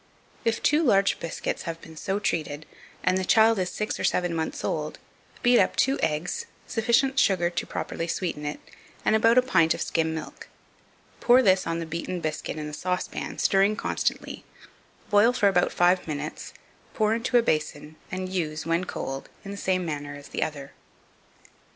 If two large biscuits have been so treated, and the child is six or seven months old, beat up two eggs, sufficient sugar to properly sweeten it, and about a pint of skim milk. Pour this on the beaten biscuit in the saucepan, stirring constantly; boil for about five minutes, pour into a basin, and use, when cold, in the same manner as the other. 2506.